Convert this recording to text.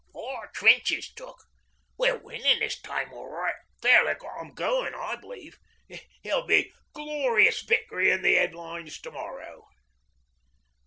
Four trenches took! We're winnin' this time orright. Fairly got 'em goin', I b'lieve. It'll be Glorious Vict'ry in the 'eadlines to morrow.'